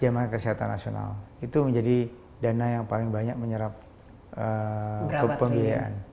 jaminan kesehatan nasional itu menjadi dana yang paling banyak menyerap ke pembiayaan